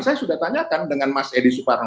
saya sudah tanyakan dengan mas edi suparno